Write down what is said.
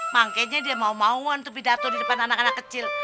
makanya dia mau mau pidato di depan anak anak kecil